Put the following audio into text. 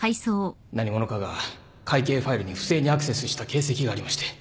何者かが会計ファイルに不正にアクセスした形跡がありまして